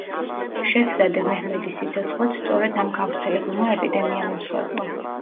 შეჰზადე მეჰმედის სიცოცხლეც სწორედ ამ გავრცელებულმა ეპიდემიამ იმსხვერპლა.